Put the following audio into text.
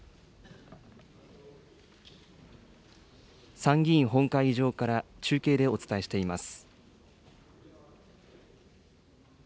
参議院本会議場から中継でお伝えしています。